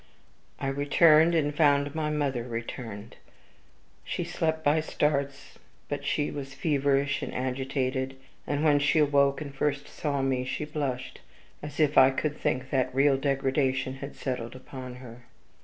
"I returned, and found my mother returned. She slept by starts, but she was feverish and agitated; and when she awoke and first saw me, she blushed, as if I could think that real degradation had settled upon her.